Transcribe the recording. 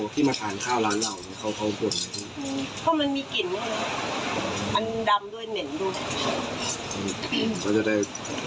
เป็นสิ่งที่เราควบคุมไม่ได้